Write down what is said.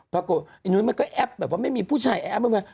ปรากฎไอ้หนุ๊ยมันก็แอปแบบว่าไม่มีผู้ชายแอปมาบ้วย